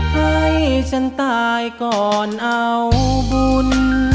ให้ฉันตายก่อนเอาบุญ